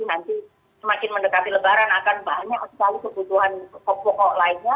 nanti semakin mendekati lebaran akan banyak sekali kebutuhan pokok lainnya